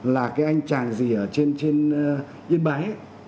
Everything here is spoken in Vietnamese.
là cái anh chàng gì ở trên yên bái